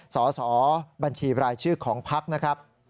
สสบัญชีรายชื่อของพักนะครับ